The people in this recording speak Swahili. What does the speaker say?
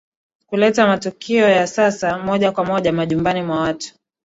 Kuleta matukio ya sasa moja kwa moja majumbani mwa watu